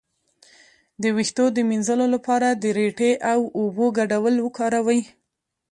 د ویښتو د مینځلو لپاره د ریټې او اوبو ګډول وکاروئ